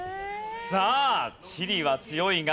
さあ地理は強いが。